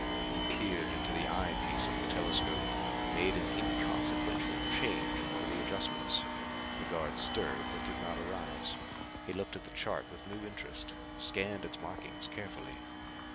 He peered into the eye piece of the telescope; made an inconsequential change in one of the adjustments. The guard stirred but did not arise. He looked at the chart with new interest, scanned its markings carefully.